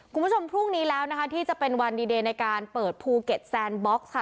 คุณผู้ชมพรุ่งนี้แล้วนะคะที่จะเป็นวันดีเดย์ในการเปิดภูเก็ตแซนบ็อกซ์ค่ะ